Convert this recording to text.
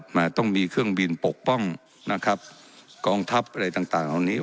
มาต้องมีเครื่องบินปกป้องนะครับกองทัพอะไรต่างต่างเหล่านี้